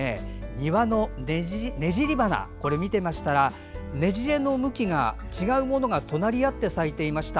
庭のネジリバナを見ていましたらねじれの向きが違うものが隣り合って咲いていました。